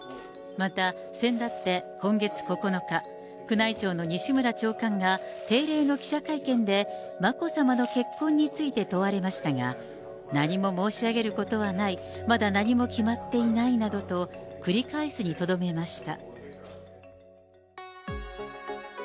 またせんだって、今月９日、宮内庁の西村長官が、定例の記者会見で眞子さまの結婚について問われましたが、何も申し上げることはない、まだ何も決まっていないなどと繰り返すにとどめました。